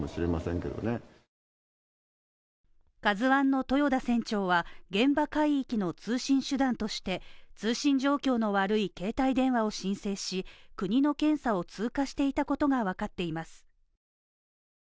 「ＫＡＺＵ１」の豊田船長は現場海域の通信手段として、通信状況の悪い携帯電話を申請し、国の検査を通過していたことがわかっています。